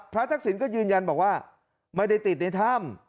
ทักษิณก็ยืนยันบอกว่าไม่ได้ติดในถ้ำ